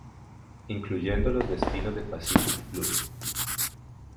Incluyendo los destinos de Pacific Blue.